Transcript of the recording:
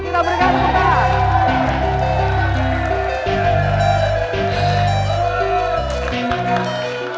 kita berikan pukul tangan